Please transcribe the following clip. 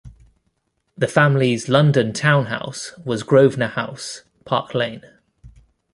The family's London townhouse was Grosvenor House, Park Lane.